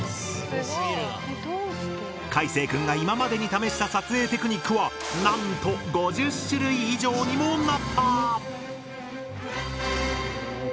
いせい君が今までに試した撮影テクニックはなんと５０種類以上にもなった！